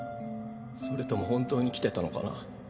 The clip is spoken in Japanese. それとも本当に来てたのかな。